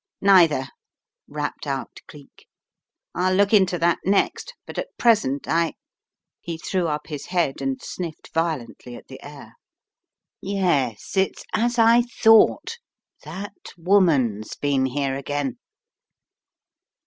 Neither," rapped out Cleek. 'Til look into «' A Terrible Discovery 123 that next, but at present I " he threw up his head and sniffed violently at the air. "Yes, it's as I thought. That woman's been here again."